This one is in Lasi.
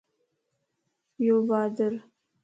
يو بھادرَ